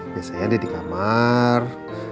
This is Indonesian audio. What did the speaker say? biasanya ada di kamar